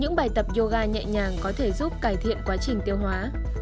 những bài tập yoga nhẹ nhàng có thể giúp cải thiện quá trình tiêu hóa